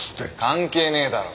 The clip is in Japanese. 関係ねえだろ。